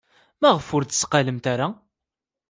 Maɣef ur d-tetteqqalemt ara?